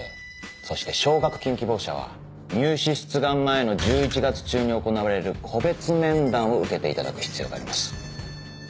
そして奨学金希望者は入試出願前の１１月中に行われる個別面談を受けていただく必要があります。